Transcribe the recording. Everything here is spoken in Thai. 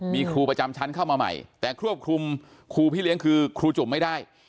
มีครูประจำชั้นเข้ามาใหม่แต่ควบคุมครูพี่เลี้ยงคือครูจุ่มไม่ได้